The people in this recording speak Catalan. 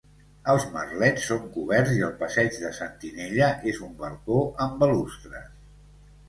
Els merlets són coberts i el passeig de sentinella és un balcó amb balustres.